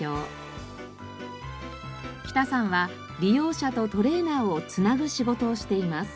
北さんは利用者とトレーナーを繋ぐ仕事をしています。